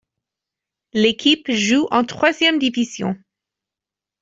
L'équipe joue en troisième division.